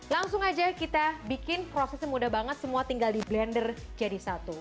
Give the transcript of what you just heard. langsung aja kita bikin prosesnya mudah banget semua tinggal di blender jadi satu